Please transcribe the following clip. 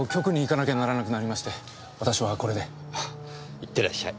いってらっしゃい。